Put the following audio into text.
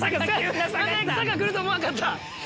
また坂来ると思わんかった。